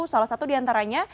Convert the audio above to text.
salah satu diantaranya